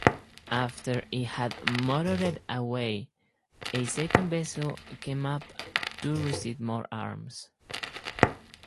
After it had motored away, a second vessel came up to receive more arms.